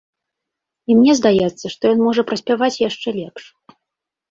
І мне здаецца, што ён можа праспяваць яшчэ лепш.